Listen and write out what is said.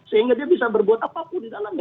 sehingga dia bisa berbuat apapun di dalamnya